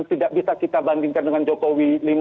tidak bisa kita bandingkan dengan jokowi